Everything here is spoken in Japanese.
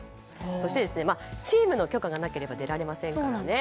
そして、チームの許可がなければ出られませんから。